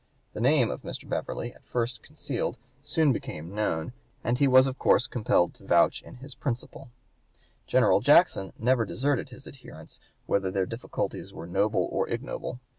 The name of Mr. Beverly, at first concealed, soon became known, and he was of course compelled to (p. 185) vouch in his principal. General Jackson never deserted his adherents, whether their difficulties were noble or ignoble.